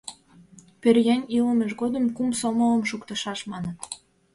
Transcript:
— Пӧръеҥ илымыж годым кум сомылым шуктышаш, маныт.